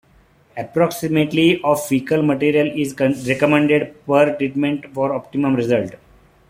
Approximately of fecal material is recommended per treatment for optimum results.